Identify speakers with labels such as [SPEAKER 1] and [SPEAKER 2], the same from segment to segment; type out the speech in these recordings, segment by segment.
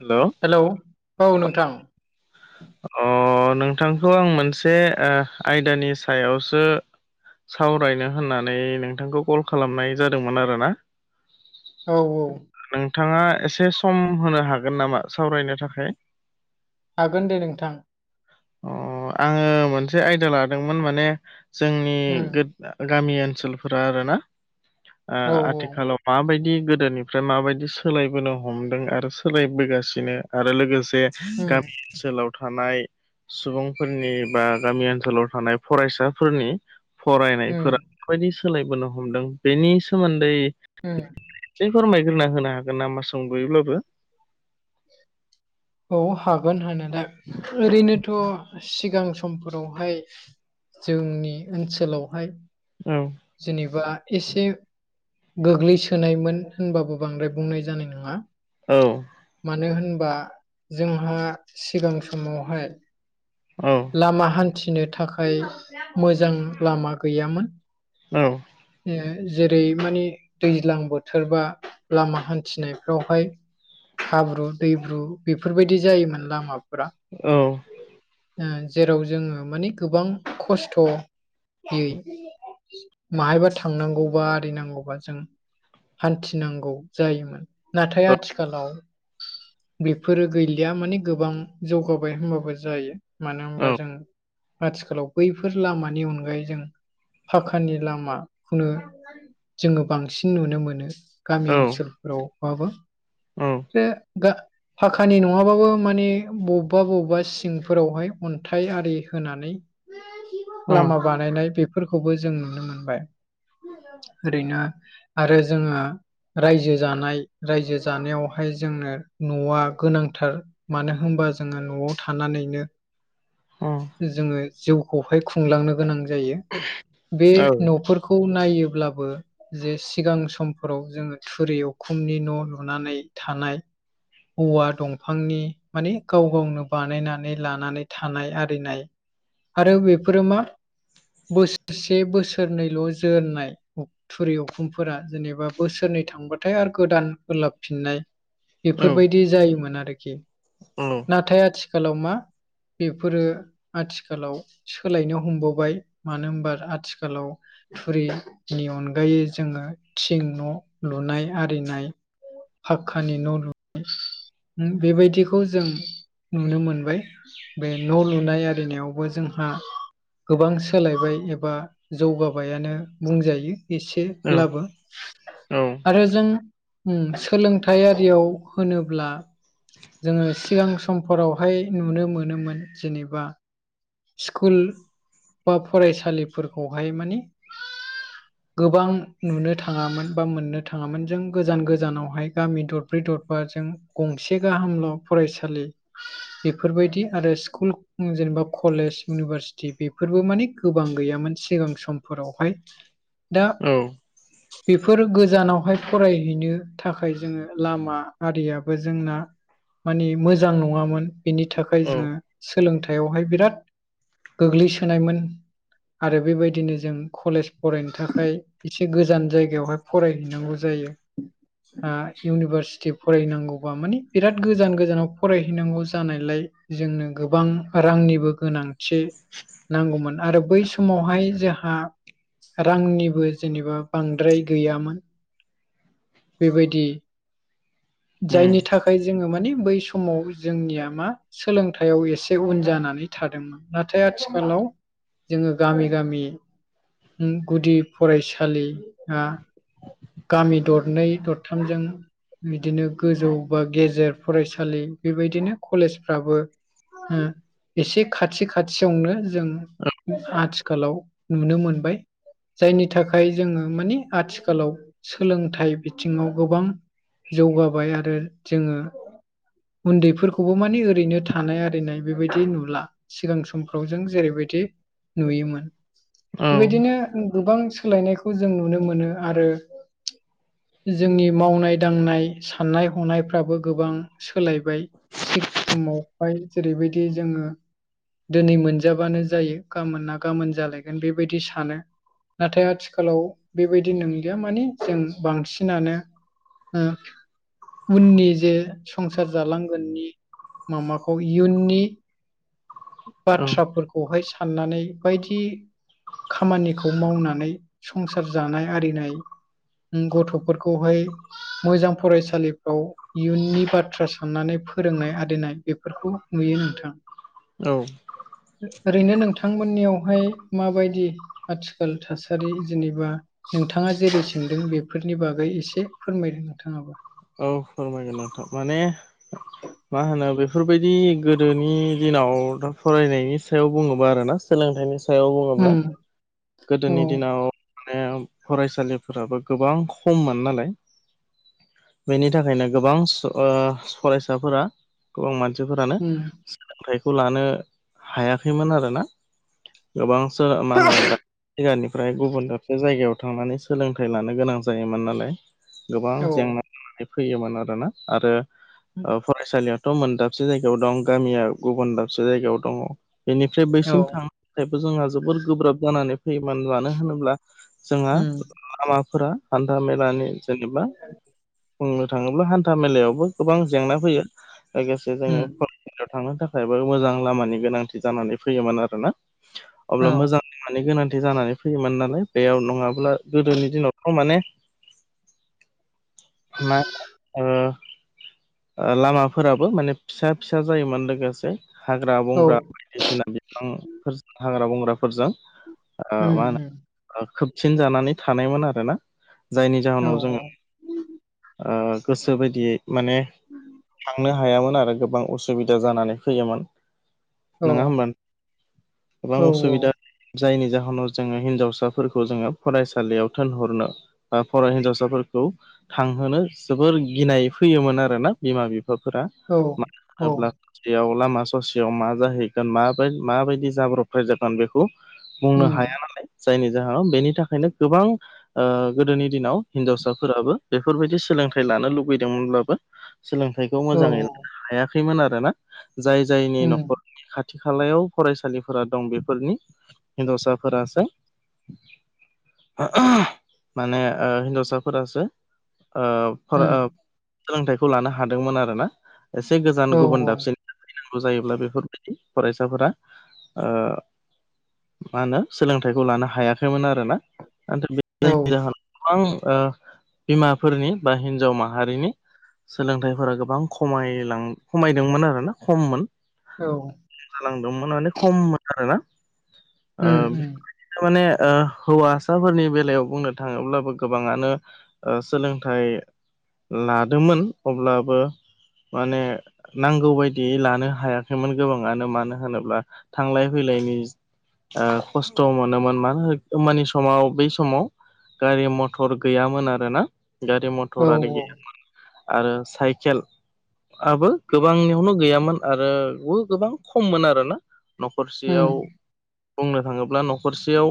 [SPEAKER 1] हेल'
[SPEAKER 2] hello औ नोंथां
[SPEAKER 1] अ नोंथांखौ आं मोनसे आयदानि सायावसो सावरायनो होननानै नोंथांखौ कल खालामनाय जादोंमोन आरोना
[SPEAKER 2] औ-औ
[SPEAKER 1] नोंथाङा एसे सम होनो हागोन नामा सावरायनो थाखाय
[SPEAKER 2] हागोन दे नोंथां
[SPEAKER 1] अ आङो मोनसे आयदा लादोंमोन माने जोंनि
[SPEAKER 2] उम
[SPEAKER 1] गो गामि ओनसोलफोरा आरोना
[SPEAKER 2] औ औ
[SPEAKER 1] आथिखालाव माबायदि गोदोनिफ्राय माबायदि सोलायबोनो हमदों आरो सोलायबोगासिनो आरो लोगोसे
[SPEAKER 2] उम
[SPEAKER 1] गामि ओनसोलाव थानाय सुबुंफोरनि बा गामि ओनसोलाव थानाय फरायसाफोरनि
[SPEAKER 2] उम
[SPEAKER 1] फरायनायफोरा माबायदि सोलायबोनो हमदों बेनि सोमोन्दै
[SPEAKER 2] उम
[SPEAKER 1] [unintelligible] होनो हागोन नामा सुंदयैब्लाबो
[SPEAKER 2] औ हागोन हानादा ओरैनोथ' सिगां समफोरावहाय जोंनि ओनसोलावहाय
[SPEAKER 1] औ
[SPEAKER 2] जेनेबा एसे गोग्लैसोनायमोन होनबाबो बांद्राय बुंनाय जानाय नङा
[SPEAKER 1] औ
[SPEAKER 2] मानो होनबा जोंहा सिगां समावहाय
[SPEAKER 1] औ
[SPEAKER 2] लामा हान्थिनो थाखाय मोजां लामा गैयामोन
[SPEAKER 1] औ
[SPEAKER 2] जेरै मानि दैज्लां बोथोरबा लामा हान्थिनायफ्रावहाय हाब्रु दैब्रु बेफोरबायदि जायोमोन लामाफोरा
[SPEAKER 1] औ
[SPEAKER 2] जेराव जोङो माने गोबां खस्थ'यै माहायबा थांनांगौबा आरिनांगौबा जों हान्थिनांगौ जायोमोन नाथाय आथिखालाव बेफोरो गैलिया माने गोबां जौगाबाय होनबाबो जायो मानो होनबा जों आथिखालाव बैफोर लामानि अनगायै जों फााखानि लामा खौनो जोङो बांसिन नुनो मोनो गामि
[SPEAKER 1] औ
[SPEAKER 2] ओनसोलफोरावबाबो
[SPEAKER 1] औ
[SPEAKER 2] बि फाखानि नङाबाबो माने बबेबा बबेबा सिं फोरावहाय अन्थाइ आरि
[SPEAKER 1] औ
[SPEAKER 2] होनानैलामा बानायनाय बेफोरखौबो जों नुनो मोनबाय ओरैनो आरो जोङो रायजो जानाय रायजो जानायावहाय जोंनो न'आ गोनांथार मानो होनबा जोङो न'आव थानानैनो जोङो जिउखौहाय खुंलांनो गोनां जायो बे न'फोर खौ नायोब्लाबो जे सिगां समफोराव जोङो थुरि अखुमनि न' लुनानै थानाय औवा दंफांनि माने गाव गावनो बानायनानै लानानै थानाय आरिनाय आरो बेफोरो मा बोसोरसे बोसोरनैल' जोरनाय थुरि अखुमफोरा जेनेबा बोसोरनै थांबाथाय आरो गोदान ओलाबफिननाय बेफोरबायदि जायोमोन आरोखि
[SPEAKER 1] उम
[SPEAKER 2] नाथाय आथिखालाव मा बेफोरो आथिखालाव सोलायनो हमबावबाय मानो होमबा आथिखालाव थुरिनि अनगायै जोङो थिं न' लुनाय आरिनाय फखानि न' बेबायदिखौ जों नुनो मोनबाय बे न' लुनाय आरिनायावबो जोंहा गोबां सोलायबाय एबा जौगाबायानो बुंजायो एसेब्लाबो
[SPEAKER 1] औ
[SPEAKER 2] आरो जों सोलोंथाय आरियाव होनोब्ला जोङो सिगां समफोरावहाय नुनो मोनोमोन जेनेबा स्कुल बा फरायसालिफोरखौहाय माने
[SPEAKER 1] [inaudible]
[SPEAKER 2] गोबां नुनो थाङामोन बा मोननो थाङामोन जों गोजान गोजानावहाय गामि दरब्रै दरबाजों गंसे गाहामल' फरायसालि बेफोरबायदि आरो स्कुल जेनेबा कलेज इउनिभारसिटि बेफोरबो मानि गोबां गैयामोन सिगां समफोरावहाय दा
[SPEAKER 1] औ
[SPEAKER 2] बेफोर गोजानावहाय फरायहैनो थाखाय जोङो लामा आरियाबो जोंना मानि मोजां नङामोन बिनि थाखाय
[SPEAKER 1] औ
[SPEAKER 2] जोङो सोलोंथायावहाय बिराद गोग्लैसोनायमोन आरो बेबायदिनो जों कलेज फरायनो थाखाय एसे गोजान जायगायावहाय फरायहैनांगौ जायो इउनिभारसिटि फरायनांगौबा मानि बिराद गोजान गोजानाव फरायहैनांगौ जानायलाय जोंनो गोबां रांनिबो गोनांथि नांगौमोन आरो बै समावहाय जोंहा रांनिबो जेनेबा बांद्राय गैयामोन बेबायदि
[SPEAKER 1] उम
[SPEAKER 2] जायनि थाखाय जोङो माने बै समाव जोंनिया मा सोलोंथाइयाव एसे उन जानानै थादोंमोन नाथाय आथिखालाव जोङो गामि गामि गुदि फरायसालि गामि दरनै दरथामजों बिदिनो गोजौ बा गेजेर फरायसालि बेबायदिनो कलेजफ्राबो एसे खाथि खाथियावनो जों आथिखालाव नुनो मोनबाय जायनि थाखाय जोङो मानि आथिखालाव सोलोंथाइ बिथिङाव गोबां जौगाबाय आरो जोङो उन्दैफोरखौबो माने ओरैनो थानाय आरिनाय बेबायदि नुला सिगां समफ्राव जों जेरैबायदि नुयोमोन
[SPEAKER 1] औ
[SPEAKER 2] बेबायदिनो गोबां सोलायनायखौ जों नुनो मोनो आरो
[SPEAKER 1] [inaudible]
[SPEAKER 2] जोंनि मावनाय दांनाय साननाय हनायफ्राबो गोबां सोलायबाय सिगां समावहाय जेरैबायदि जोङो दिनै मोनजाबानो जायो गाबोन ना गाबोन जालायगोन बेबायदि सानो नाथाय आथिखालाव बेबायदि नंलिया माने जों बांसिनानो उननि जे संसार जालांगोननि माबाखौ इयुननि
[SPEAKER 1] औ
[SPEAKER 2] बाथ्राफोरखौहाय साननानै बायदि खामानिखौ मावनानै संसार जानाय आरिनाय गथ'फोरखौहाय मोजां फरायसालिफ्राव इयुननि बाथ्रा साननानै फोरोंनाय आरिनाय बेफोरखौ नुयो नोंथां
[SPEAKER 1] औ
[SPEAKER 2] ओरैनो नोंथांमोननियावहाय माबायदि आथिखाल थासारि जेनेबा नोंथाङा जेरै सोंदों बेफोरनि बागै एसे फोरमायदों नोंथाङाबो
[SPEAKER 1] औ फोरमायगोन नोंथां माने मा होनो बेफोरबायदि गोदोनि दिनाव दा फरायनायनि सायाव बुङोबा आरोना सोलोंथाइनि सायाव बुङोब्ला
[SPEAKER 2] उम औ
[SPEAKER 1] गोदोनि दिनाव माने फरायसालिफोराबो गोबां खममोन नालाय बेनि थाखायनो गोबां फरायसाफोरा गोबां मानसिफोरानो
[SPEAKER 2] उम
[SPEAKER 1] सोलोंथाइखौ लानो हायाखैमोन आरोना गोबां [unintelligible] ओमफ्राय गुबुन दाबसे जायगायाव थांनानै सोलोंथाइ लानो गोनां जायोमोन नालाय गोबां
[SPEAKER 2] औ
[SPEAKER 1] जेंना फैयोमोन आरोना आरो ओ फरायसालियाव मोन दाबसे जायगायाव दं गामिया गुबुन दाबसे जायगायाव दङ बेनिफ्राय
[SPEAKER 2] औ
[SPEAKER 1] बैसिम थां नायाबो जोंहा जोबोद गोब्राब जानानै फैयोमोन मानो होनोब्ला जोंहा
[SPEAKER 2] उम
[SPEAKER 1] लामाफोरा हान्था मेलानि जेनेबा बुंनो थाङोब्ला हान्था मेलायावबो गोबां जेंना फैयो लोगोसे जोङो
[SPEAKER 2] उम
[SPEAKER 1] याव थांनो थाखायबो मोजां लामानि गोनांथि जानानै फैयोमोन आरो ना
[SPEAKER 2] औ
[SPEAKER 1] अब्ला मोजां माने गोनांथि जानानै फैयोमोन नालाय बेयाव नङाब्ला गोदोनि दिनावथ' माने मा ओ लामाफोराबो माने फिसा फिसा जायोमोन लोगोसे हाग्रा
[SPEAKER 2] औ
[SPEAKER 1] बंग्रा बायदिसिना बिफांफोरजों हाग्रा बंग्राफोरजों
[SPEAKER 2] उम
[SPEAKER 1] मा
[SPEAKER 2] उम
[SPEAKER 1] होनो खोबसिन जानानै थानायमोन आरोना जायनि
[SPEAKER 2] औ
[SPEAKER 1] जाहोनाव जोङो गोसो बायदियै माने थांनो हायामोन आरो गोबां उसुबिदा जानानै फैयोमोन।
[SPEAKER 2] औ
[SPEAKER 1] नङा होमबा गोबां
[SPEAKER 2] औ
[SPEAKER 1] उसुबिदा जायनि जाहोनाव जोङो हिनजावसाफोरखौ जोङो फरायसालियाव थोनहरनो बर' हिन्जावसाफोरखौ थांहोनो जोबोर गिनाय फैयोमोन आरोना बिमा बिफाफोरा।
[SPEAKER 2] औ
[SPEAKER 1] मानो
[SPEAKER 2] औ
[SPEAKER 1] होनोब्ला ससेयाव लामा ससेयाव मा जाहैगोन म माबायदि जाब्रबथाय जागोन बेखौ बुंनो
[SPEAKER 2] उम
[SPEAKER 1] हाया नालाय जायनि जाहोनाव बेनि थाखायनो गोबां गोदोनि दिनाव हिनजावसा फोराबो बेफोरबायदि सोलोंथाइ लानो लुबैदोंमोनब्लाबो सोलोंथाइखौ
[SPEAKER 2] औ
[SPEAKER 1] मोजाङै
[SPEAKER 2] औ
[SPEAKER 1] हायाखैमोन आरोना जाय जायनि
[SPEAKER 2] उम
[SPEAKER 1] न'खर खाथि खालायाव फरायसालिफोरा दं बेफोरनि हिनजावसाफोरासो माने ओ हिन्जावसा फोरासो
[SPEAKER 2] उम
[SPEAKER 1] सोलोंथाइखौ लानो हादोंमोन आरोना एसे गोजान
[SPEAKER 2] औ
[SPEAKER 1] गुबुन दाबसेनि फैनांगौ जायोब्ला बेफोरबायदि फरायसाफोरा ओ मा होनो सोलोंथाइखौ लानो हायाखैमोन आरोना [unintelligible]
[SPEAKER 2] औ औ
[SPEAKER 1] जायनि जाहोनाव गोबां ओ बिमाफोरनि बा हिन्जाव माहारिनि सोलोंथाइफोरा गोबां खमायलां खमायदोंमोन आरो ना खममोन
[SPEAKER 2] औ
[SPEAKER 1] जालांदोंमोन माने खममोन आरोना
[SPEAKER 2] उम उम
[SPEAKER 1] ओ माने हौवासाफोरनि बेलायाव बुंनो थाङोब्लाबो गोबाङानो सोलोंथाइ लादोंमोन अब्लाबो माने नांगौ बायदियझ लानो हायाखैमोन गोबाङानो मानो होनोब्ला थांलाय फैलायनि ओ खस्थ' मोनोमोन मानो होमबानि समाव बै समाव गारि मथर गैयामोन आरोना गारि
[SPEAKER 2] औ
[SPEAKER 1] मथर आरि गैयामोन आरो साइकेल आाबो गोबांनियावनो गैयामोन आरो गोबां खममोन आऱोना
[SPEAKER 2] उम
[SPEAKER 1] न'खरसेयाव बुंनो थाङोब्ला न'खरसेयाव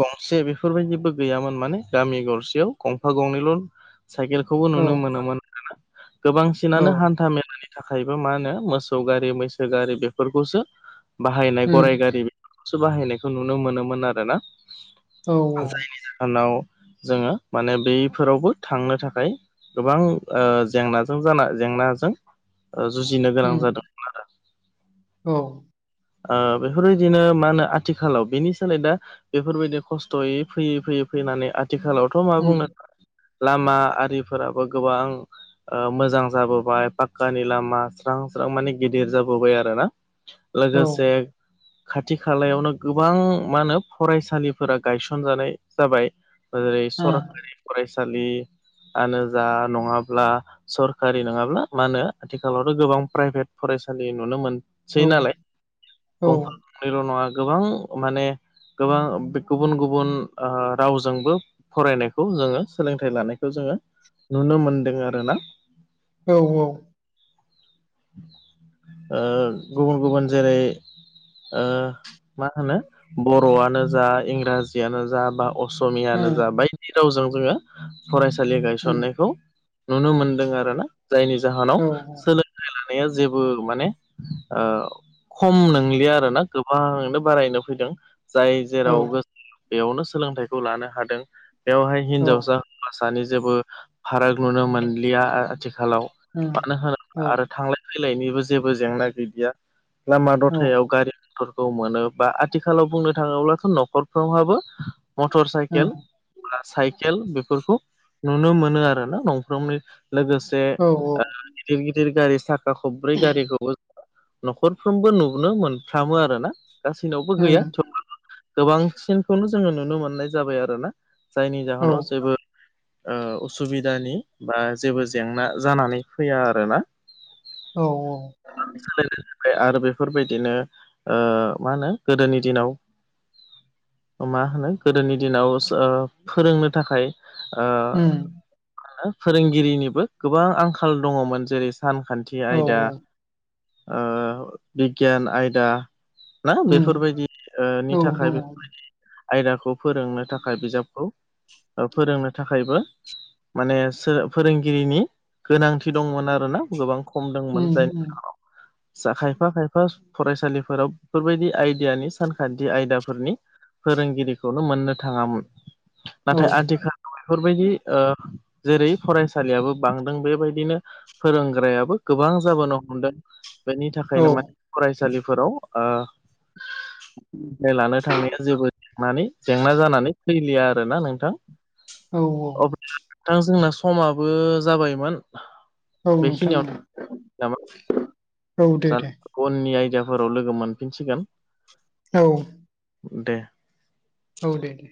[SPEAKER 1] गं खसे बेफोरबायदिबो गैयामोन माने गामि गरसेयाव गंफा गंनैल' साइकेल खौबो
[SPEAKER 2] औ
[SPEAKER 1] नुनो मोनोमोना
[SPEAKER 2] औ
[SPEAKER 1] गोबांसिनानो हान्था मेलानि थाखायबो मा होनो मोसौ गारि मैसो गारि बेफोरखौसो बाहायनाय
[SPEAKER 2] उम
[SPEAKER 1] गराय गारि सो बाहायनायखौ नुनो मोनोमोन आरो ना
[SPEAKER 2] औ
[SPEAKER 1] जायनि जाहोनाव जोङो माने बैफोरावबो थांनो थाखाय गोबां जेंनाजों जाना जेंनाजों जुजिनो गोनां
[SPEAKER 2] उम
[SPEAKER 1] जादों
[SPEAKER 2] औ
[SPEAKER 1] बेफोरबायदिनो मा होनो आथिखालाव बेनि सोलाय दा बेफोरबायदि खस्थ'यै फैयै फैयै फैनानै आथिखालावथ' मा
[SPEAKER 2] उम
[SPEAKER 1] बुंनो लामा आरिफोराबो गोबां मोजां जाबोबाय पाक्कानि लामा स्रां स्रां माने गिदिर जाबोबाय आरो ना
[SPEAKER 2] औ
[SPEAKER 1] लोगोसे खाथि खालायावनो गोबां मा होनो फरायसालिफोरा गायसनजानाय जाबाय जेरै
[SPEAKER 2] आ
[SPEAKER 1] सरकारि फरायसालिआानो जा नङाब्ला सरखारि नङाब्ला मानो आथिखालावथ' गोबां प्राइभेट फरायसालि नुनो
[SPEAKER 2] औ
[SPEAKER 1] मोनसै नालाय
[SPEAKER 2] औ
[SPEAKER 1] गंफा गंनैल' नङा गोबां माने गोबां गुबुन गुबुन रावजोंबो फरायनायखौ जोङो सोलोंथाइ लानायखौ जोङो नुनो मोनदों आरोना
[SPEAKER 2] औ औ
[SPEAKER 1] गुबुन गुबुन जेरै मा होनो बर'आनो जा इंराजियानो जा बा असमियानो
[SPEAKER 2] उम
[SPEAKER 1] जा बायदि रावजों जोङो फरायसालि
[SPEAKER 2] उम
[SPEAKER 1] गायसननायखौ नुनो मोनदों आरोना जायनि
[SPEAKER 2] औ
[SPEAKER 1] जाहोनाव सोलों लानाया जेबो माने खम नंलिया आर ना गोबांनो बारायनो फैदों जाय
[SPEAKER 2] औ
[SPEAKER 1] जेराव बेयावनो सोलोंथाइखौ लानो हादों बेवहाय हिनजावसा हिनजावसानि जेबो फाराग नुनो मोनलिया आथिखालाव
[SPEAKER 2] उम औ उम औ उम औ उम
[SPEAKER 1] मानो होनोब आरो थांलाय फैलायनिबो जेबो जेंना गैलिया लामा दथायाव गारि फोरखौ मोनो बा आथिखालाव बुंनो थाङोब्लाथ' न'खरफ्रोमहाबो मटर साइकेल साइकेल बेफोरखौ नुनो मोनो आरोना नंफ्रोमनि लोगोसे गिदिर गिदिर गारि साखा खब्रै गारिखौबो न'खरफ्रोमबो नुनो मोनफ्रामो आरोना गासैनावबो गैया थेबाबो गोबांसिनखौनो जोङो नुनो मोननाय जाबाय आरोना जायनि
[SPEAKER 2] औ
[SPEAKER 1] जाहोनाव जेबो उसुबिदानि बा जेबो जेंना जानानै फैया आरोना
[SPEAKER 2] औ औ
[SPEAKER 1] बेजों लोगोसे आरो बेफोरबायदिनो मा होनो गोदोनि दिनाव मा होनो गोदोनि दिनाव फोरोंनो थाखाय मा होनो फोरोंगिरिनिबो गोबां आंखाल दङमोन जेरै सानखान्थि
[SPEAKER 2] औ
[SPEAKER 1] आयदा बिगियान आयदा ना
[SPEAKER 2] उम
[SPEAKER 1] बेफोरबायदि नि
[SPEAKER 2] औ
[SPEAKER 1] थाखाय
[SPEAKER 2] दङ
[SPEAKER 1] बेफोरबायदि आयदाखौ फोरोंनो थाखाय बिजाबखौ फोरोंनो थाखायबो माने फोरोंगिरिनि गोनांथि दंमोन आरोना गोबां खम दंमोन
[SPEAKER 2] उम
[SPEAKER 1] जाय
[SPEAKER 2] उम
[SPEAKER 1] जा खायफा खायफा फरायसालिफोराव बेफोरबायदि आयदायानि सानखान्थि आयदाफोरनि फोरोंगिरिखौनो मोननो थाङामोन
[SPEAKER 2] औ
[SPEAKER 1] नाथाय आथिखालाव बेफोरबायदि जेरै फरायसालियाबो बांदों बेबायदिनो फोरोंग्रायाबो गोबां जाबोनो हमदों बेनि
[SPEAKER 2] औ
[SPEAKER 1] थाखायनो माने फरायसालिफोराव सोलोंथाइ लानो थांनाया जेबो थांनानै जेंना जानानै फैलिया आरोना नोंथां
[SPEAKER 2] औ औ
[SPEAKER 1] अब्ला नोंथां जोंना समाबो जाबायमोन
[SPEAKER 2] औ नोंथां
[SPEAKER 1] बेखिनियावनो नामा
[SPEAKER 2] औ औ दे दे
[SPEAKER 1] जानाय उननि आयदाफोराव लोगो मोनफिनसिगोन
[SPEAKER 2] औ
[SPEAKER 1] दे
[SPEAKER 2] औ दे दे